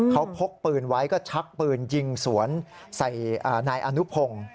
เขาพกปืนไว้ก็ชักปืนยิงสวนใส่นายอนุพงศ์